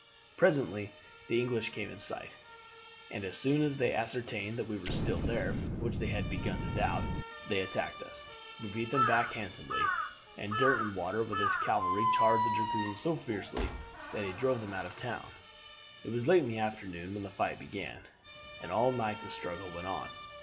"Presently the English came in sight, and as soon as they ascertained that we were still there, which they had begun to doubt, they attacked us. We beat them back handsomely, and Derwentwater with his cavalry charged their dragoons so fiercely that he drove them out of the town. It was late in the afternoon when the fight began, and all night the struggle went on.